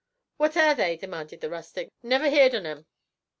'What air they?' demanded my rustic. 'Never heerd on 'em.'